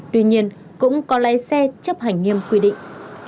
tuy nhiên cũng có lái xe chấp hành nghiêm quy định